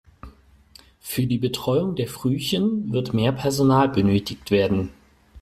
Für die Betreuung der Frühchen wird mehr Personal benötigt werden.